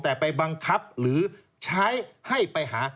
แต่ไปบังคับหรือใช้ให้ไปหา